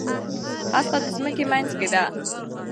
هسته د ځمکې منځ کې ده.